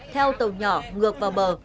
theo tàu nhỏ ngược vào bờ